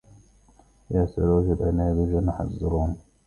يا سراج الأنام جنح الظلام